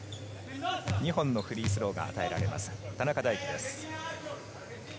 ２本のフリースローが与えられます、田中大貴です。